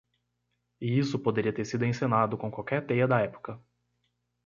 E isso poderia ter sido encenado com qualquer teia da época.